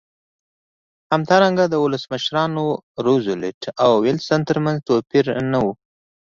همدارنګه د ولسمشرانو روزولټ او ویلسن ترمنځ توپیر نه و.